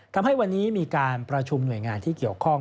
ทำให้วันนี้มีการประชุมหน่วยงานที่เกี่ยวข้อง